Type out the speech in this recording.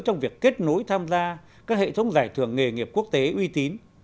trong việc kết nối tham gia các hệ thống giải thưởng nghề nghiệp quốc tế uy tín